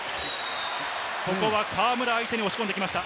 ここは河村相手に押し込んできました。